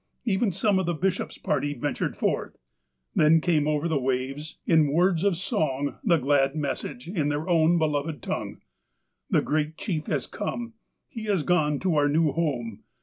Even some of the bishop's party ventured forth. Then came over the waves, in words of song, the glad message, in their own beloved tongue :" The great chief has come. He has gone to our new home.